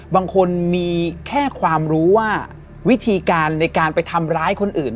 บางคนมีแค่ความรู้ว่าวิธีการในการไปทำร้ายคนอื่น